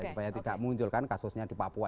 supaya tidak munculkan kasusnya di papua